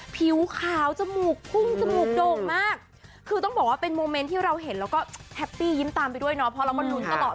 ผิวขาวจมูกพุ่งจมูกโด่งมากคือต้องบอกว่าเป็นโมเม้นที่เราเห็นแล้วก็แฮปปี้ยิ้มตามไปด้วยเนาะ